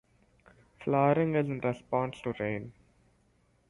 Flowering is in response to rain.